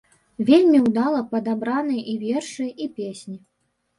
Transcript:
Вельмі ўдала падабраны і вершы, і песні.